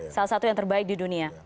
salah satu yang terbaik di dunia